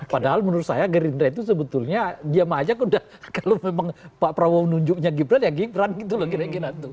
padahal menurut saya gerindra itu sebetulnya diam aja kalau memang pak prabowo nunjuknya gibran ya gibran gitu loh kira kira tuh